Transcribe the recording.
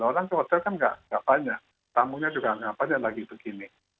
orang ke hotel kan nggak banyak tamunya juga nggak banyak lagi begini